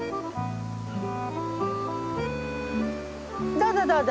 どうぞどうぞ。